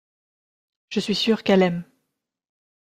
Je suis sûr qu’elle aime.